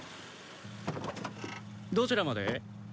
どちらまで？